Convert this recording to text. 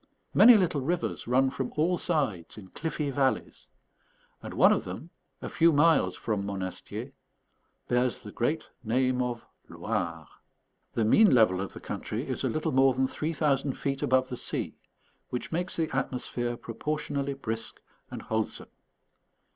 Many little rivers run from all sides in cliffy valleys; and one of them, a few miles from Monastier, bears the great name of Loire. The mean level of the country is a little more than three thousand feet above the sea, which makes the atmosphere proportionally brisk and wholesome.